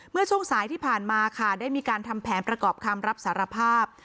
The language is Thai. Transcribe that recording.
เมื่อช่วงสายที่ผ่านมาค่ะได้มีการทำแผนประกอบคำรับสารภาพ